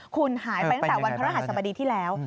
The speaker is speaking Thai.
คุณหายไปตั้งแต่วันพระรหัสบดีที่แล้ว